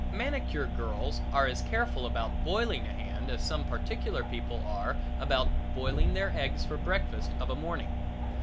Manicure girls are as careful about boiling a hand as some particular people are about bailing their eggs for breakfast of a morning.